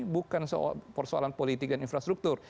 bukan persoalan politik dan infrastruktur